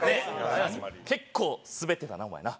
結構スベってたなお前な。